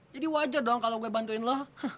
jadi wajar dong kalo gue bantuin lu